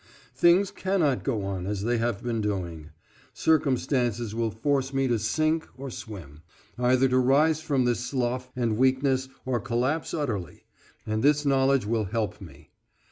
Things cannot go on as they have been doing. Circumstances will force me to sink or swim, either to rise from this slough and weakness or collapse utterly, and this knowledge will help me.